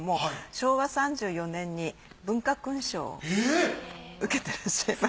昭和３４年に文化勲章を受けていらっしゃいます。